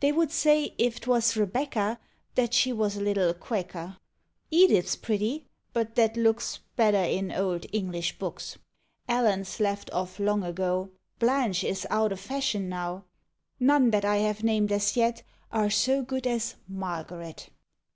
They would say, if 't was Rebecca, That she was a little Quaker. Edith 's pretty, but that looks Better in old English books; Ellen 's left off long ago; Blanche is out of fashion now. None that I have named as yet Are so good as Margaret.